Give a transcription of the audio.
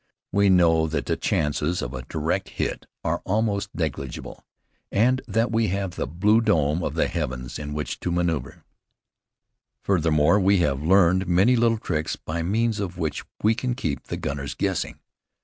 We know that the chances of a direct hit are almost negligible, and that we have all the blue dome of the heavens in which to maneuver. Furthermore, we have learned many little tricks by means of which we can keep the gunners guessing.